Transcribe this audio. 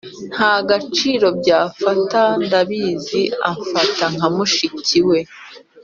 ntagaciro byafata ndabizi amfata nkamushiki we